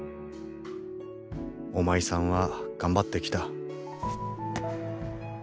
おまいさんは頑張ってきた。